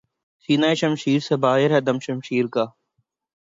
سینہٴ شمشیر سے باہر ہے دم شمشیر کا